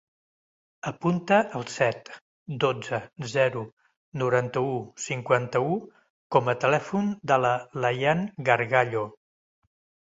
Apunta el set, dotze, zero, noranta-u, cinquanta-u com a telèfon de la Layan Gargallo.